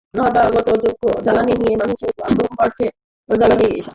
নবায়নযোগ্য জ্বালানি নিয়ে মানুষের আগ্রহ বাড়ছে এবং এসব জ্বালানিসামগ্রীর দামও কমছে।